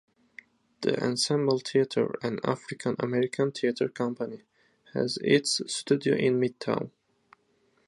The Ensemble Theatre, an African-American theater company, has its studio in Midtown.